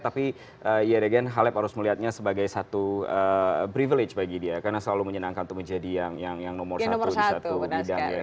tapi ya degan halep harus melihatnya sebagai satu privilege bagi dia karena selalu menyenangkan untuk menjadi yang nomor satu di satu bidang ya